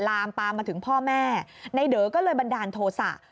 ลามปามมาถึงพ่อแม่ในเดอก็เลยบันดาลโทษะ